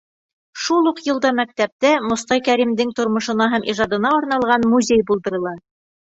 Шул уҡ йылда мәктәптә Мостай Кәримдең тормошона һәм ижадына арналған музей булдырыла.